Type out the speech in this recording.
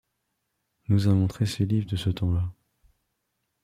nous a montré ses livres de ce temps-là.